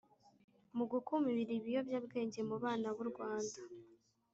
mu gukumira ibiyobyabwenge mu bana bu Rwanda